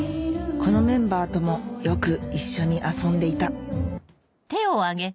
このメンバーともよく一緒に遊んでいたん。